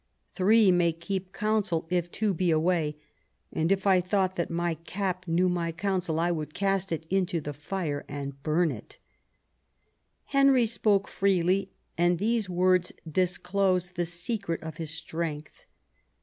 Three may keep counsel if two be away ; and if I thought that my cap knew my counsel I would cast it into the fire and bum it," Henry spoke freely, and these words disclose the secret of his strength.